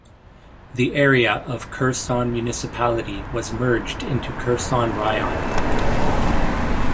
The area of Kherson Municipality was merged into Kherson Raion.